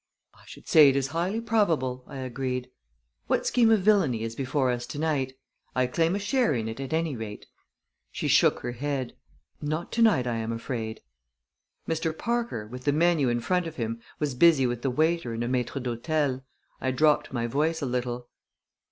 "I should say it is highly probable," I agreed. "What scheme of villainy is before us to night? I claim a share in it at any rate." She shook her head. "Not to night, I am afraid." Mr. Parker, with the menu in front of him, was busy with the waiter and a maître d'hôtel. I dropped my voice a little.